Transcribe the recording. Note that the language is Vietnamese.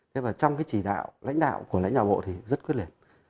trong trì đạo lãnh đạo của lãnh đạo bộ thì rất quyết liệt